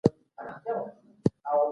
خو له بلي خوا یې دا معصومه نجلۍ